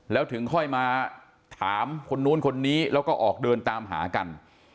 แล้วถึงค่อยมาถามคนนู้นคนนี้แล้วก็ออกเดินตามหากัน